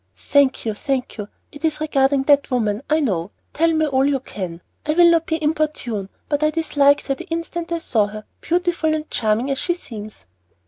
"Thank you, thank you! It is regarding that woman, I know. Tell me all you can; I will not be importunate, but I disliked her the instant I saw her, beautiful and charming as she seems."